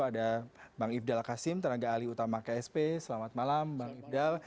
ada bang ifdal kasim tenaga alih utama ksp selamat malam bang ifdal